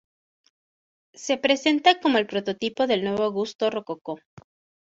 Se presenta como el prototipo del nuevo gusto rococó.